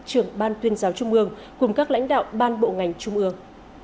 trưởng ban tuyên giáo trung ương cùng các lãnh đạo ban bộ ngành trung ương